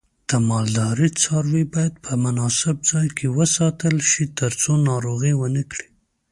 د مالدارۍ څاروی باید په مناسب ځای کې وساتل شي ترڅو ناروغي ونه کړي.